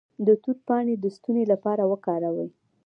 د توت پاڼې د ستوني لپاره وکاروئ